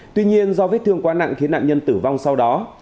tuy nhiên do vết thương quá nặng khiến nạn nhân tử vong sau đó